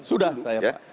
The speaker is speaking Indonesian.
sudah saya pak